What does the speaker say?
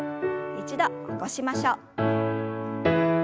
一度起こしましょう。